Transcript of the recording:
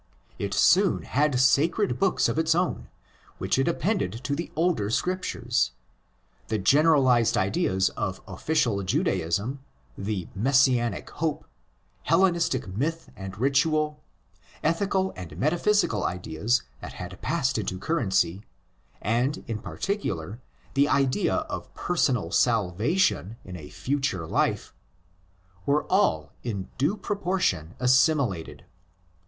It soon had sacred books of its own, which it appended to the older Scriptures. The generalised ideas of official Judaism, the Messianic hope, Hellenistic myth and ritual, ethical and meta physical ideas that had passed into currency, and in particular the idea of personal ''salvation"' in a future life, were all in due proportion assimilated.